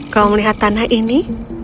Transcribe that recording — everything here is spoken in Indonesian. kau melihat tanah ini